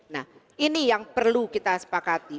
nah ini yang perlu kita sepakati